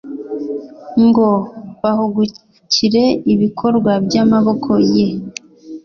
ngo bahugukire ibikorwa by'amaboko ye